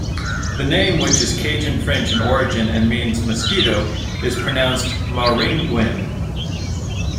The name, which is Cajun French in origin and means "mosquito", is pronounced mah-ring-gwin.